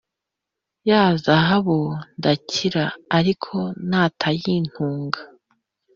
ya zahabu ndakira Ariko natayintunga